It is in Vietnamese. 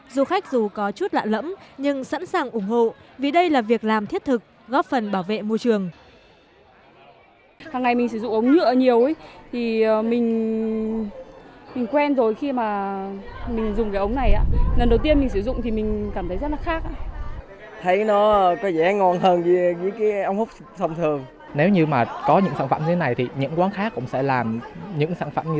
du khách dù có chút lạ lẫm nhưng sẵn sàng ủng hộ vì đây là việc làm thiết thực góp phần bảo vệ môi trường